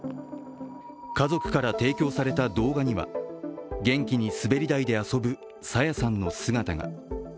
家族から提供された動画には元気に滑り台で遊ぶ朝芽さんの姿が。